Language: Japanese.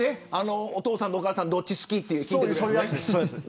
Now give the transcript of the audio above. お父さんとお母さんどっちが好きっていうやつね。